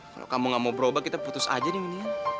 kalau kamu gak mau berubah kita putus aja nih unian